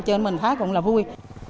cho nên mình thấy cũng là vui